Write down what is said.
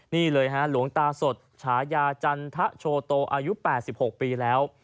นี่เลยฮะหลวงตาสดฉายาจันทะโชโตอายุ๘๖ปีแล้ว